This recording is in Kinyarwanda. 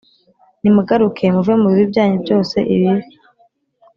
Nimugaruke muve mu bibi byanyu byose ibibi